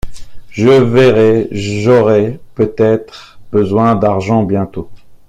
Je verrai, j’aurai peut-être besoin d’argent bientôt.